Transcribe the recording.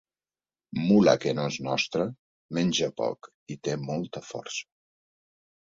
Mula que no és nostra, menja poc i té molta força.